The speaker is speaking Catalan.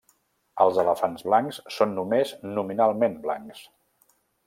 Els elefants blancs són només nominalment blancs.